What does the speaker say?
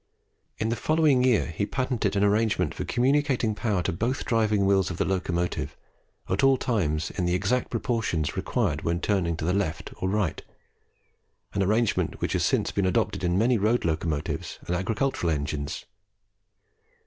In the following year he patented an arrangement for communicating power to both driving wheels of the locomotive, at all times in the exact proportions required when turning to the right or left, an arrangement which has since been adopted in many road locomotives and agricultural engines.